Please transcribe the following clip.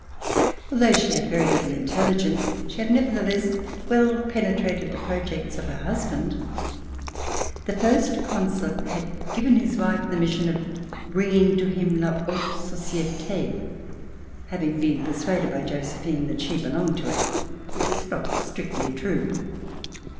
Although she had very little intelligence, she had nevertheless well penetrated the projects of her husband. The First Consul had given his wife the mission of bringing to him la haute societCy having been persuaded by Josephine that she belonged to it, which is not strictly true.